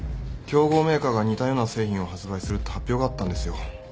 競合メーカーが似たような製品を発売するって発表があったんですよ。